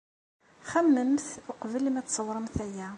Xemmememt uqbel ma tsewremt aya.